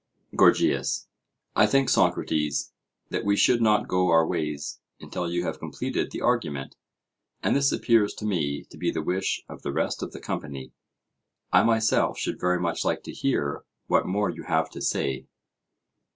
GORGIAS: I think, Socrates, that we should not go our ways until you have completed the argument; and this appears to me to be the wish of the rest of the company; I myself should very much like to hear what more you have to say.